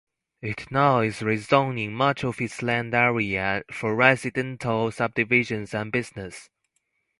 It now is rezoning much of its land area for residential subdivisions and business.